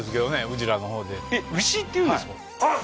うちらのほうでえっ牛っていうんですかあっ